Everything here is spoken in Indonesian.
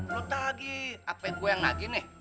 lo tau lagi apa yang gue yang lagi nih